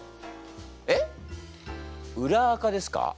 えっ「裏アカ」ですか？